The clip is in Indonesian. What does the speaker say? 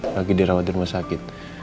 lagi dirawat di rumah sakit